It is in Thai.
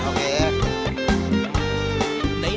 มันใช่ครับ